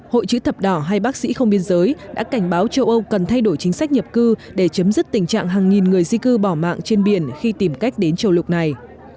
hội chữ thập đỏ hai bác sĩ không biên giới đã cảnh báo châu âu cần thay đổi chính sách nhập cư để chấm dứt tình trạng hàng nghìn người di cư bỏ mạng trên biển khi tìm cách đến châu lục này